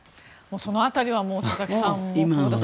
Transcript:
その辺りは佐々木さん。